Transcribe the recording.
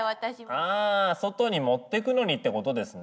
あ外に持ってくのにってことですね。